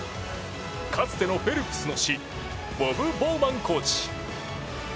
かつてフェルプスの師ボブ・ボウマンコーチ。